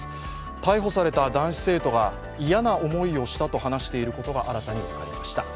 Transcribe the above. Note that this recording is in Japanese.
逮捕された男子生徒が、嫌な思いをしたと話していることが新たに分かりました。